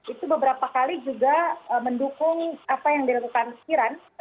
itu beberapa kali juga mendukung apa yang dilakukan iran